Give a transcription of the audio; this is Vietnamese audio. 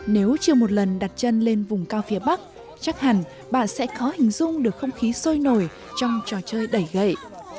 nếu chưa một lần đặt chân lên vùng cao phía bắc chắc hẳn bà sẽ có hình dung được không khí sôi nổi trong trò chơi đẩy gậy